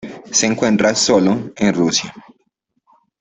Se encuentra sólo en Russia.